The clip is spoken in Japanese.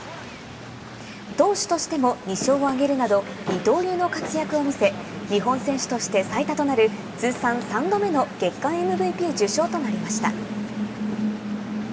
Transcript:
投手としても２勝を挙げるなど、二刀流の活躍を見せ、日本選手として最多となる通算３度目の月間ＭＶＰ受賞となりました。